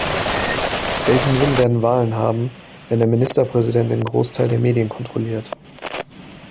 Welchen Sinn werden Wahlen haben, wenn der Ministerpräsident den Großteil der Medien kontrolliert?